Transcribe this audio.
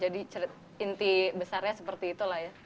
jadi cerit inti besarnya seperti itu lah ya